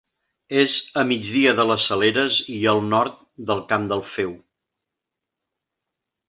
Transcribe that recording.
És a migdia de les Saleres i al nord del Camp del Feu.